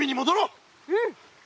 うん。